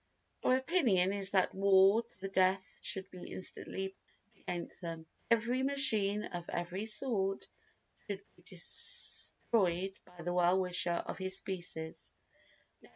Our opinion is that war to the death should be instantly proclaimed against them. Every machine of every sort should be destroyed by the well wisher of his species.